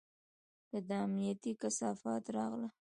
که دا امنيتي کثافات راغله.